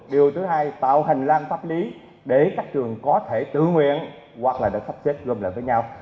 điều thứ hai tạo hành lang pháp lý để các trường có thể tự nguyện hoặc là được phát triển gồm lại với nhau